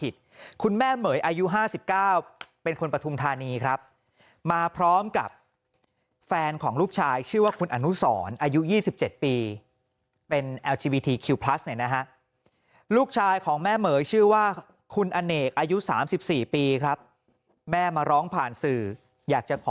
โดยชื่อว่าคุณอเนกอายุ๓๔ปีครับแม่มาร้องผ่านสื่ออยากจะขอ